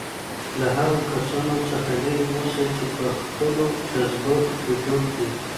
له هغو کسانو څخه لرې اوسئ چي په خپلو جذباتو کي ډوب دي.